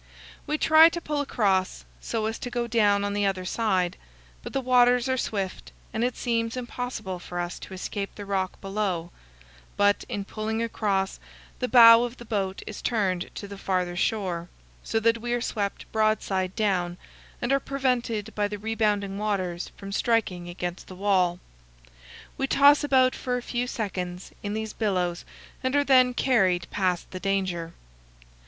We try to pull across, so as to go down on the other side, but the waters are swift and it seems impossible for us to escape the rock below; but, in pulling across, the bow of the boat is turned to the farther shore, so that we are swept broadside down and are prevented by the rebounding waters from striking against the wall. We toss about for a few seconds in these billows and are then carried past the danger.